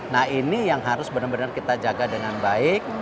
nah ini yang harus benar benar kita jaga dengan baik